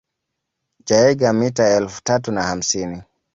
Jaeger mita elfu tatu na hamsini